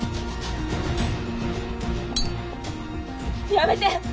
やめて！